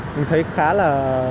mình thấy khá là